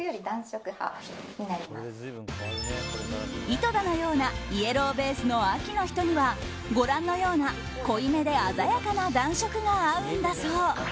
井戸田のようなイエローベースの秋の人にはご覧のような濃いめで鮮やかな暖色が合うんだそう。